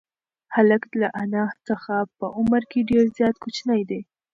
هلک له انا څخه په عمر کې ډېر زیات کوچنی دی.